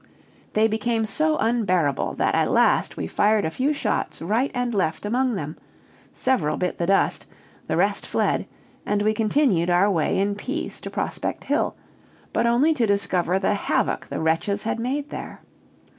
"They became so unbearable, that at last we fired a few shot right and left among them; several bit the dust, the rest fled, and we continued our way in peace to Prospect Hill, but only to discover the havoc the wretches had made there.